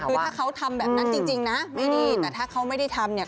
คือถ้าเขาทำแบบนั้นจริงนะไม่ดีแต่ถ้าเขาไม่ได้ทำเนี่ย